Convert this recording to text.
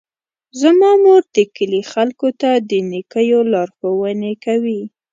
زما مور د کلي خلکو ته د نیکیو لارښوونې کوي.